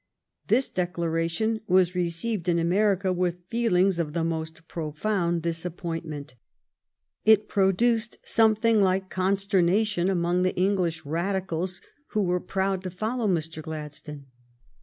This declaration was received in America with feelings of the most profound disappointment. It produced something like consternation among the English Radicals who were proud to follow Mr. Glad stone.